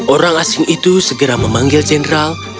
orang asing itu segera memanggil jenderal